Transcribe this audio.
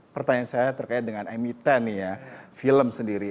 pertanyaan saya terkait dengan emiten nih ya film sendiri